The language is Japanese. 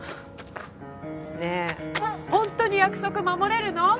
ねえ本当に約束守れるの？